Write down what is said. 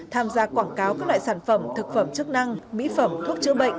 tham gia quảng cáo các loại sản phẩm thực phẩm chức năng mỹ phẩm thuốc chữa bệnh